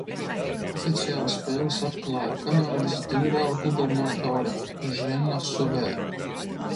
Oficiāli spēles atklāja Kanādas ģenerālgubernatore Ženna Suvē.